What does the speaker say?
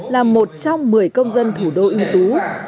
là một trong một mươi công dân thủ đô ưu tú